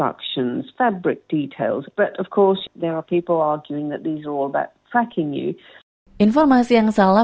delapan puluh akan berbagi artikel yang mereka pikirkan terlalu berat